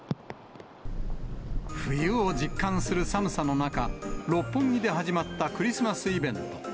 冬を実感する寒さの中、六本木で始まったクリスマスイベント。